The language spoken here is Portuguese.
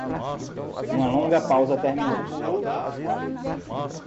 Uma longa pausa terminou.